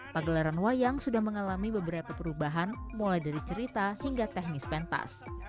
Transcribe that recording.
pagelaran wayang sudah mengalami beberapa perubahan mulai dari cerita hingga teknis pentas